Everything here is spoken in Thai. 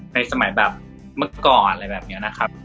สมัยแบบเมื่อก่อนอะไรแบบนี้นะครับ